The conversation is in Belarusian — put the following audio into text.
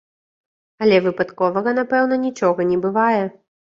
Але выпадковага, напэўна, нічога не бывае.